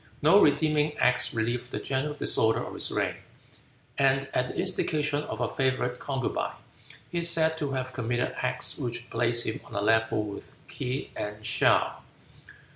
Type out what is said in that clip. No redeeming acts relieve the general disorder of his reign, and at the instigation of a favorite concubine he is said to have committed acts which place him on a level with Kee and Show.